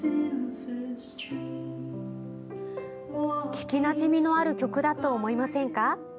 聴きなじみのある曲だと思いませんか？